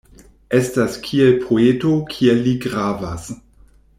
Estas kiel poeto kiel li gravas.